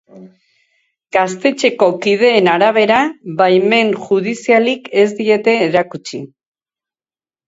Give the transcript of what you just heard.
Gaztetxeko kideen arabera, baimen judizialik ez diete erakutsi.